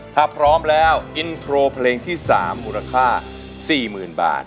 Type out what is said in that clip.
ถ้าพร้อมแล้ออินโทรเพลงที่๓อุณหภาษบาท๔๐๐๐๐บาท